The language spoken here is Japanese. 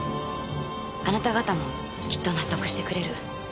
あなた方もきっと納得してくれる。